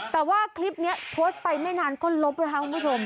แต่ว่าคลิปนี้โพสต์ไปไม่นานก็ลบนะคะคุณผู้ชม